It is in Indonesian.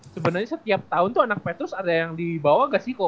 sebenernya setiap tahun tuh anak petrus ada yang dibawa gak sih ke uph